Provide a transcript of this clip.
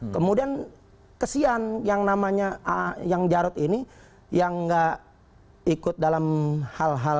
kemudian kesian yang namanya yang jarod ini yang nggak ikut dalam hal hal